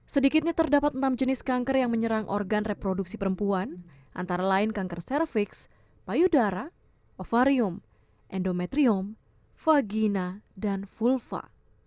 sedikitnya terdapat enam jenis kanker yang menyerang organ reproduksi perempuan antara lain kanker cervix payudara ovarium endometrium vagina dan vulva